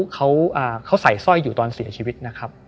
เขาใส่สร้อยอยู่ตอนเสียชีวิตนะครับ